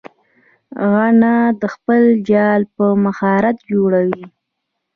غڼه خپل جال په مهارت جوړوي